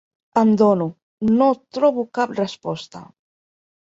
Em dono: no trobo cap resposta.